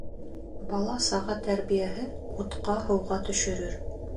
Бала-саға тәрбиәһе утҡа-һыуға төшөрөр.